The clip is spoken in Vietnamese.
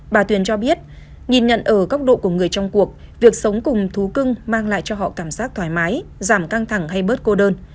bà tuyền cho biết nhìn nhận ở góc độ của người trong cuộc việc sống cùng thú cưng mang lại cho họ cảm giác thoải mái giảm căng thẳng hay bớt cô đơn